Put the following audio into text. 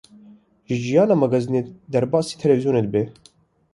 Ji cîhana magazînê derbasê televîzyonê dibe.